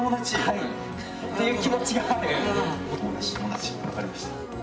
はいっていう気持ちが友達友達分かりました